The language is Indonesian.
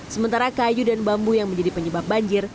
sementara kayu dan bambu yang menjadi penyebab banjir